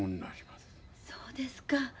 そうですか。